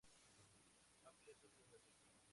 Amplias zonas verdes.